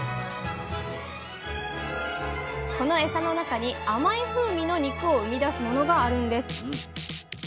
このエサの中に甘い風味の肉を生み出すものがあるんです。